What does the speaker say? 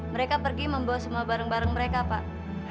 mereka pergi membawa semua barang barang mereka pak